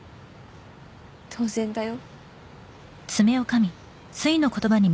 当然だよ